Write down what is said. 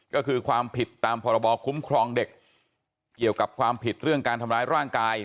ก็คือความผิดตามพรบคุ้มครองเด็กเกี่ยวกับความผิดเรื่องการทำร้ายร่างกาย